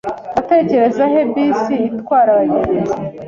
Nategereza he bisi itwara abagenzi?